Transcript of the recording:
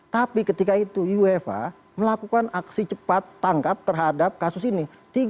tapi ketika itu uefa melakukan aksi cepat tangkap terhadap kasus ini